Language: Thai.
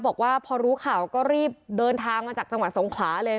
บอกว่าพอรู้ข่าวก็รีบเดินทางมาจากจังหวัดสงขลาเลย